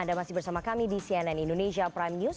anda masih bersama kami di cnn indonesia prime news